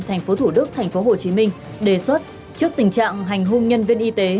tp thủ đức tp hcm đề xuất trước tình trạng hành hung nhân viên y tế